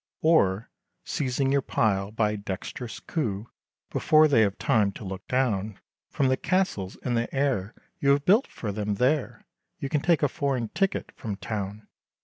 Or, seizing your pile, by a dextrous coup, Before they have time, to look down, From the castles, in the air, You have built for them there, You can take a foreign ticket from town.